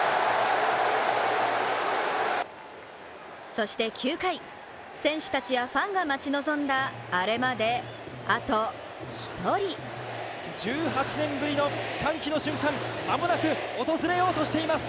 そして９回、選手たちやファンが待ち望んだアレまであと一人１８年ぶりの歓喜の瞬間間もなく訪れようとしています。